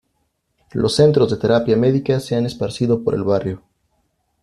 Los centros de terapia médica se han esparcido por el barrio.